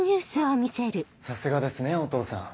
さすがですねお父さん。